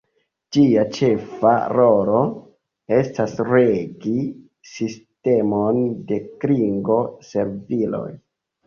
Ĝia ĉefa rolo estas regi sistemon de klingo-serviloj.